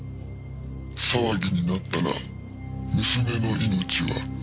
「騒ぎになったら娘の命はない」